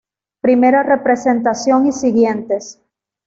Primera representación y siguientes.